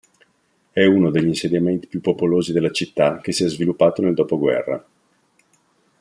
È uno degli insediamenti più popolosi della città che si è sviluppato nel dopoguerra.